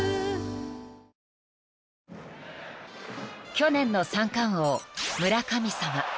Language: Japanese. ［去年の三冠王村神様］